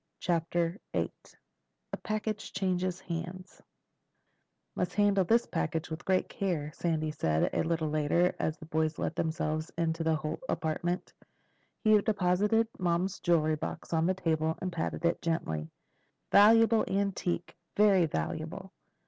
CHAPTER VIII A PACKAGE CHANGES HANDS "Must handle this with great care," Sandy said a little later as the boys let themselves into the Holt apartment. He deposited Mom's jewel box on a table and patted it gently. "Valuable antique—very valuable.